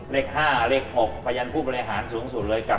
แลก๕แลก๖ไฟยันผู้ประหลายฝันสูงสุดเลย